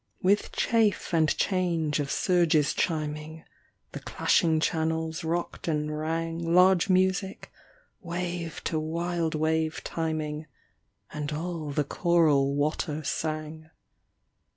With chafe and change of surges chiming. The clashing channels rocked and rang Large music, wave to wild wave timing, And all the choral water sang.